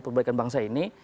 perbaikan bangsa ini